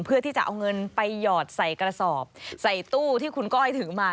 เพื่อที่จะเอาเงินไปหยอดใส่กระสอบใส่ตู้ที่คุณก้อยถือมา